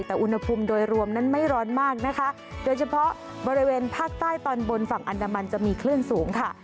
แต่อุณหภูมิโดยรวมนั้นไม่ร้อนมากนะคะโดยเฉพาะบริเวณภาคใต้ตอนบนฝั่งอันดามันจะมีคลื่นสูงค่ะ